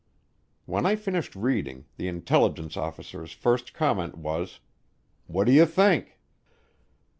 When I finished reading, the intelligence officer's first comment was, "What do you think?"